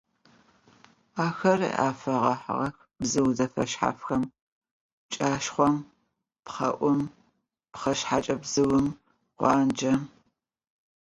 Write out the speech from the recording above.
Axer afeğehığex bzıu zefeşshafxem: pts'aşşxhom, pxheu'um, pxheşsheç'ebzıum, khuançç'em ,